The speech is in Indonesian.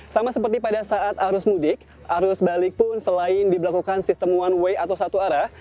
sama seperti pada saat arus mudik arus balik pun selain diberlakukan sistem one way atau satu arah